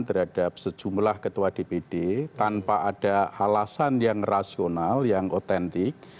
terhadap sejumlah ketua dpd tanpa ada alasan yang rasional yang otentik